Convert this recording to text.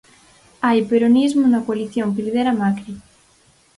Hai peronismo na coalición que lidera Macri.